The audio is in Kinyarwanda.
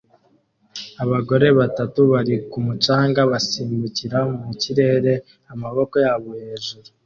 Abagore batatu bari ku mucanga basimbukira mu kirere amaboko yabo hejuru